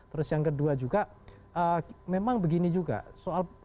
terus yang kedua juga memang begini juga soal